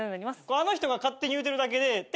あの人が勝手に言うてるだけで。